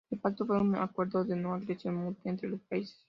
El pacto fue un acuerdo de no agresión mutua entre los países.